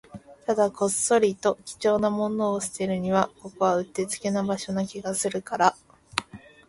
ただ、こっそりと貴重なものを捨てるには、ここはうってつけな場所な気がするから